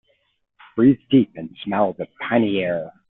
Breathe deep and smell the piny air.